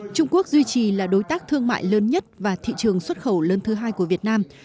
trung quốc duy trì là đối tác thương mại lớn nhất và thị trường xuất khẩu lớn thứ hai của việt nam